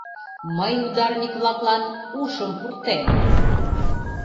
Мый ударник-влаклан ушым пуртем!